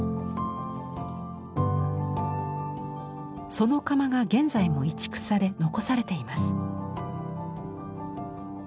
その窯が現在も移築され残されています。